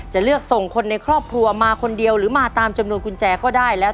จะเลือกส่งคนในครอบครัวมาคนเดียวหรือมาตามจำนวนกุญแจก็ได้แล้ว